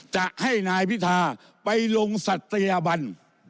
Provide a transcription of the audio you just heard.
จะให้นายพิธาไปลงศัตยบัน